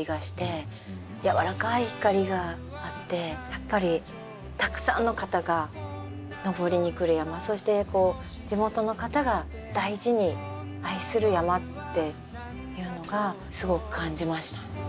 やっぱりたくさんの方が登りに来る山そして地元の方が大事に愛する山っていうのがすごく感じました。